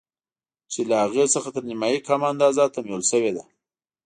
چې له هغې څخه تر نيمايي کمه اندازه تمويل شوې ده.